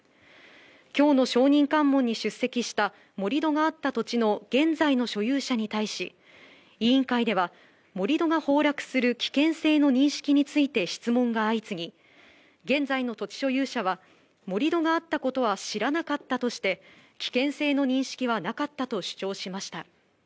きょうの証人喚問に出席した盛り土があった土地の現在の所有者に対し、委員会では、盛り土が崩落する危険性の認識について質問が相次ぎ、現在の土地所有者は、盛り土があったことは知らなかったとして、危険性の認識はなかったと主張しました。